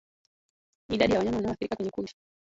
Idadi ya wanyama wanaoathirika kwenye kundi